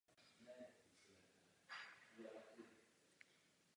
Fasáda je skleněná.